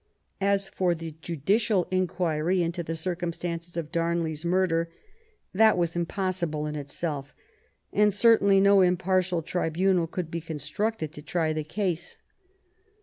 As for a judicial inquiry into the circumstances of Darnley's murder, that was impos sible in itself; and certainly no impartial tribunal could be constructed to try the case.